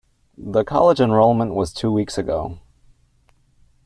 The college enrollment was two weeks ago.